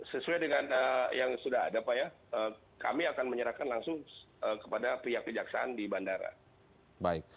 sesuai dengan yang sudah ada pak ya kami akan menyerahkan langsung kepada pihak kejaksaan di bandara